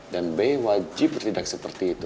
dan be wajib tidak seperti itu